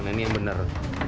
nah ini yang benar